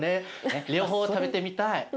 両方食べてみたい。